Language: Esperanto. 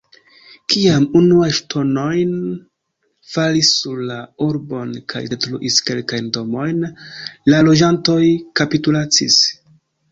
Kiam unuaj ŝtonoj falis sur la urbon kaj detruis kelkajn domojn, la loĝantoj kapitulacis.